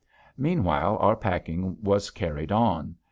Meanwhile our packing was carried on.